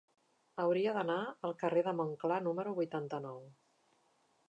Hauria d'anar al carrer de Montclar número vuitanta-nou.